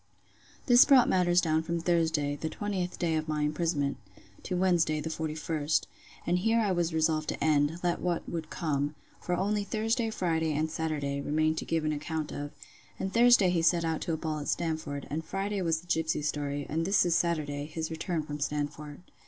This brought down matters from Thursday, the 20th day of my imprisonment, to Wednesday the 41st, and here I was resolved to end, let what would come; for only Thursday, Friday, and Saturday, remain to give an account of; and Thursday he set out to a ball at Stamford; and Friday was the gipsy story; and this is Saturday, his return from Stamford.